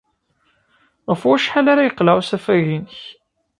Ɣef wacḥal ara yeqleɛ usafag-nnek?